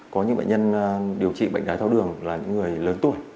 có những bệnh nhân điều trị bệnh đái thao đường là những người lớn tuổi